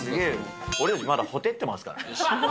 俺たちまだほてってますからね。